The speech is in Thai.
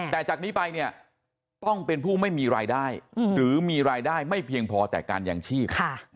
แต่จากนี้ไปเนี่ยต้องเป็นผู้ไม่มีรายได้หรือมีรายได้ไม่เพียงพอแต่การยางชีพ